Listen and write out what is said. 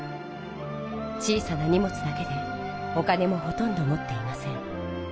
小さなにもつだけでお金もほとんどもっていません。